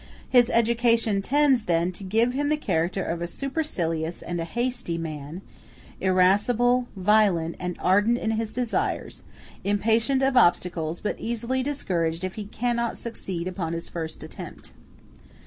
His education tends, then, to give him the character of a supercilious and a hasty man; irascible, violent, and ardent in his desires, impatient of obstacles, but easily discouraged if he cannot succeed upon his first attempt.